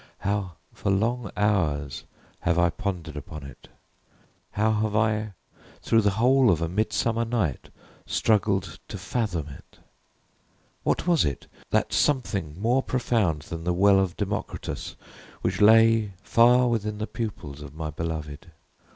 How for long hours have I pondered upon it! How have I, through the whole of a midsummer night, struggled to fathom it! What was it that something more profound than the well of Democritus which lay far within the pupils of my beloved?